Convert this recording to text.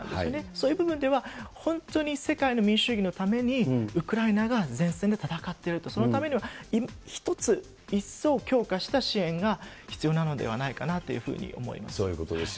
そういう部分では、本当に世界の民主主義のために、ウクライナが前線で戦っていると、そのためには一つ、一層強化した支援が必要なのではないかなというふうに思います。